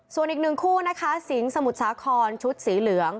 ส่วนอีก๑คู่นะคะสิงสมุทรชาคอนชุดสีเหลือง